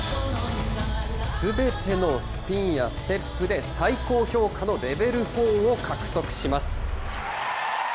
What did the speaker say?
すべてのスピンやステップで、最高評価のレベルフォーを獲得します。